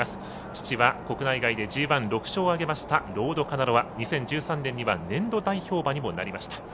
父は国内外でＧＩ、６勝を挙げましたロードカナロア、２０１３年には年度代表馬にもなりました。